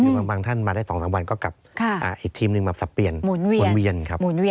บางท่านมาได้๒๓วันก็กลับอีกทีมหนึ่งมาสับเปลี่ยนหมุนเวียนครับ